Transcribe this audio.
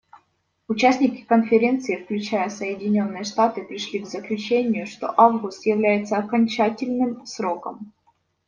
Участники Конференции, включая Соединенные Штаты, пришли к заключению, что август является окончательным сроком.